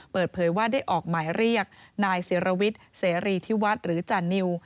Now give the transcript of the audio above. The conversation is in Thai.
เปิดเผยว่าได้ออกหมายเรียกนายศิรวิทย์เสรีที่วัดหรือจานิว